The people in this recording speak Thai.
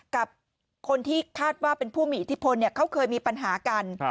กับคนที่คาดว่าเป็นผู้มีอิทธิพลเขาเคยมีปัญหากัน